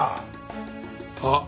あっ。